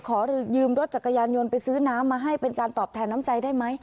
ขอยืมรถจักรยานยนต์ไปซื้อน้ำมาให้เป็นการตอบแทนน้ำใจได้ไหม